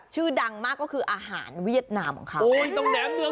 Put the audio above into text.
ชื่อดังมากก็คืออาหารเวียดนามของเขา